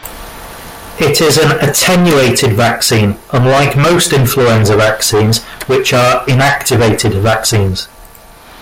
It is an attenuated vaccine, unlike most influenza vaccines, which are inactivated vaccines.